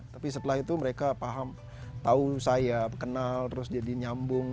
tapi setelah itu mereka paham tahu saya kenal terus jadi nyambung